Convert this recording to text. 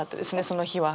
その日は。